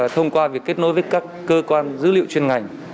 thông qua việc kết nối với các cơ quan dữ liệu chuyên ngành